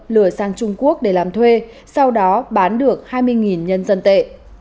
lừa sang trung quốc để làm thuê sau đó bán được hai mươi nhân dân tệ